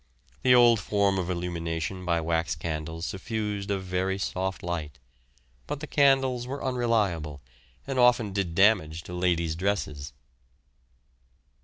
The old form of illumination by wax candles suffused a very soft light, but the candles were unreliable and often did damage to ladies' dresses.